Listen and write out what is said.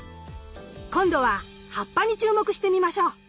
今度は葉っぱに注目してみましょう。